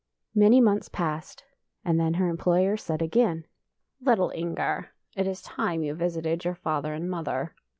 Many months passed, and then her em ployer said again, " Little Inger, it is time you visited your father and mother."